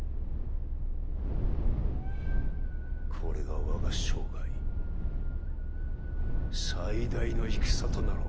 これが我が生涯最大の戦となろう。